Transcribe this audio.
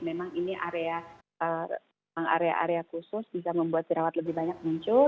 memang ini area area khusus bisa membuat jerawat lebih banyak muncul